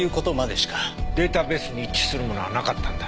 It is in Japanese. データベースに一致するものはなかったんだ？